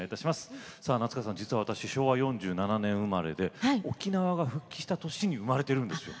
夏川さん実は昭和４７年生まれで沖縄が復帰した年に生まれてるんですよ。